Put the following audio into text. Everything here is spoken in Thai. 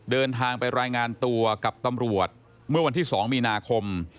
เดินทางไปรายงานตัวกับตำรวจเมื่อวันที่๒มีนาคม